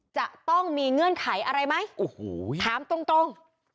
จะต้องมีเงื่อนไขอะไรไหมโอ้โหถามตรง